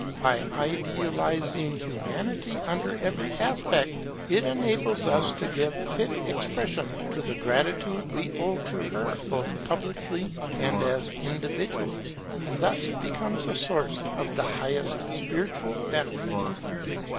By idealizing Humanity under every aspect, it enables us to give fit expression to the gratitude we owe to her, both publicly and as individuals; and thus it becomes a source of the highest spiritual benefit.